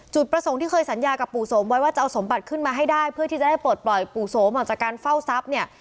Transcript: จุดประสงค์ที่เคยสัญญากับปู่โสมไว้ว่าจะเอาสมบัติขึ้นมาให้ได้เพื่อที่จะได้ปลดปล่อยปู่โสมออกจากการเฝ้าทรัพย์เนี่ย